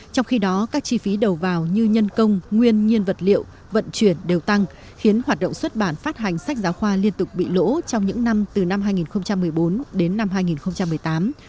trong khi đó các chi phí đầu vào như nhân công nguyên nhiên vật liệu vận chuyển đều tăng khiến hoạt động xuất bản phát hành sách giáo khoa liên tục bị lỗ trong những năm từ năm hai nghìn một mươi bốn đến năm hai nghìn một mươi tám